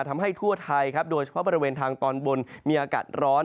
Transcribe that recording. ทำให้ทั่วไทยครับโดยเฉพาะบริเวณทางตอนบนมีอากาศร้อน